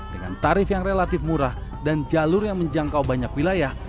dengan tarif yang relatif murah dan jalur yang menjangkau banyak wilayah